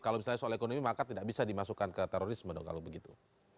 kalau misalnya soal ekonomi maka tidak bisa dimasukkan ke terorisme dong kalau begitu